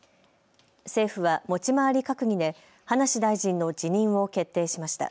政府は持ち回り閣議で葉梨大臣の辞任を決定しました。